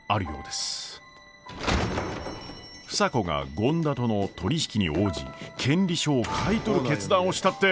房子が権田との取り引きに応じ権利書を買い取る決断をしたって。